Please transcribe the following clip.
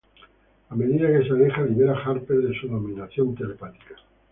A medida que se aleja, libera Harper de su dominación telepática.